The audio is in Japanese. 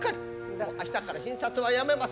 だから明日っから診察はやめます。